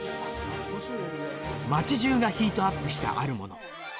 町じゅうがヒートアップしたある物。